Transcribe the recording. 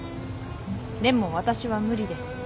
でも私は無理です。